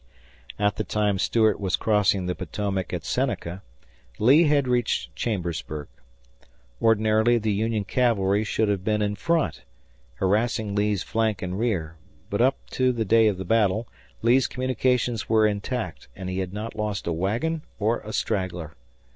At the time Stuart was crossing the Potomac at Seneca, Lee had reached Chambersburg. Ordinarily the Union cavalry should have been in front, harassing Lee's flank and rear, but up to the day of the battle Lee's communications were intact, and he had not lost a wagon or a straggler.